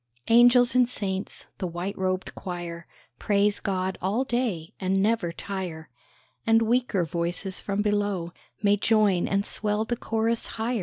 Angels and saints, the white robed choir, Praise God all day, and never tire, And weaker voices from below May join and swell the chorus higher.